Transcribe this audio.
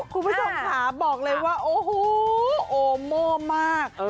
คุณผู้ท่องขาบอกเลยว่าโอ้โหโอ้โหม่มาก